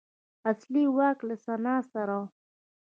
اصلي واک له سنا سره و.